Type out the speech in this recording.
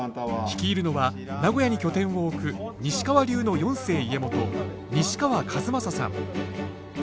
率いるのは名古屋に拠点を置く西川流の四世家元西川千雅さん。